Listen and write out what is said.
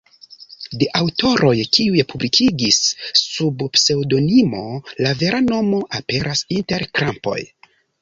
De aŭtoroj kiuj publikigis sub pseŭdonimo, la vera nomo aperas inter krampoj.